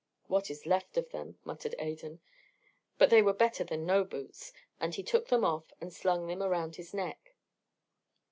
"What is left of them," muttered Adan. But they were better than no boots, and he took them off, and slung them round his neck.